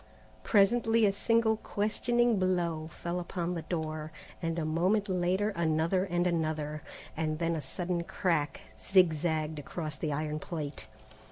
Presently a single questioning blow fell upon the door, and a moment later another and another, and then a sudden crack zigzagged across the iron plate.